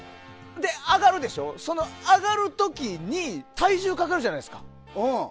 上がるでしょ、上がる時に体重がかかるじゃない。